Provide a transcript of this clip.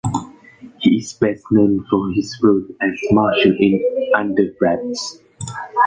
He is best known for his role as Marshall in "Under Wraps".